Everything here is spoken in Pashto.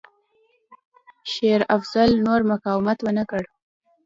شېر افضل نور مقاومت ونه کړ.